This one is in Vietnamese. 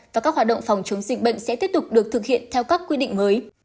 và các hoạt động phòng chống dịch bệnh sẽ tiếp tục được thực hiện theo các quy định mới